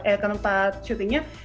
eh ke tempat syutingnya